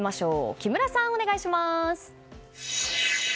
木村さん、お願いします。